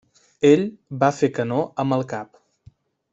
Ell va fer que no amb el cap.